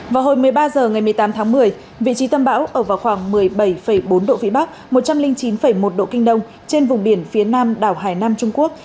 vào hồi một mươi ba h ngày một mươi tám tháng một mươi vị trí tâm bão ở vào khoảng một mươi bảy bốn độ vĩ bắc một trăm linh chín một độ kinh đông trên vùng biển phía nam đảo hải nam trung quốc